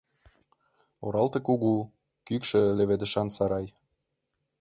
Оралте кугу, кӱкшӧ леведышан сарай.